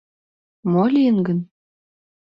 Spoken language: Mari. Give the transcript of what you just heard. Мо лийын гын?